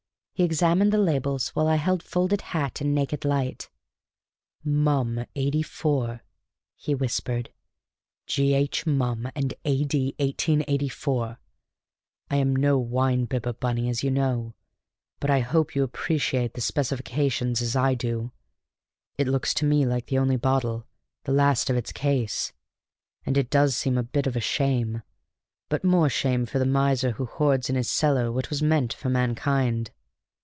He examined the labels while I held folded hat and naked light. "Mumm, '84!" he whispered. "G. H. Mumm, and A.D. 1884! I am no wine bibber, Bunny, as you know, but I hope you appreciate the specifications as I do. It looks to me like the only bottle, the last of its case, and it does seem a bit of a shame; but more shame for the miser who hoards in his cellar what was meant for mankind!